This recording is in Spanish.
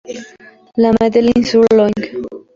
La Madeleine-sur-Loing